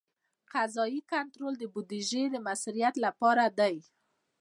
قضایي کنټرول د بودیجې د مؤثریت لپاره دی.